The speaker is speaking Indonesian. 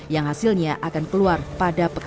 yang hasilnya akan keluar pada pekan